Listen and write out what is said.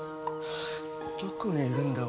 どこにいるんだ？